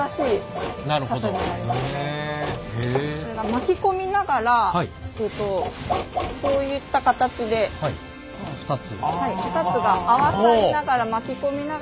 巻き込みながらこういった形で２つが合わさりながら巻き込みながら縫っていると。